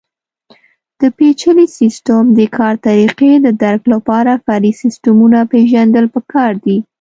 د پېچلي سیسټم د کار طریقې د درک لپاره فرعي سیسټمونه پېژندل پکار دي.